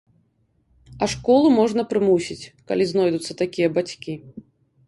А школу можна прымусіць, калі знойдуцца такія бацькі.